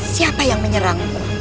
siapa yang menyerang